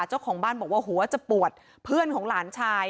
เจ้าของบ้านบอกว่าหัวจะปวดเพื่อนของหลานชาย